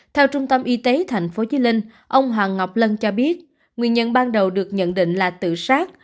theo trung tâm y tế tp hcm ông hoàng ngọc lân cho biết nguyên nhân ban đầu được nhận định là tự sát